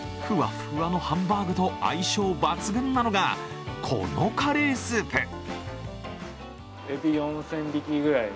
ふわっふわのハンバーグと相性抜群なのがこのカレースープ。